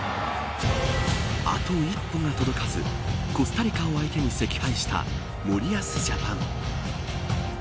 あと一歩が届かずコスタリカを相手に惜敗した森保ジャパン。